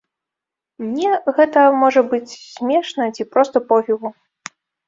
Мне гэта можа быць смешна ці проста пофігу.